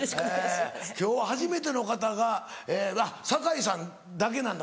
今日は初めての方があっ堺さんだけなんだ